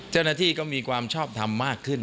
เจ้าหน้าที่ก็มีความชอบทำมากขึ้น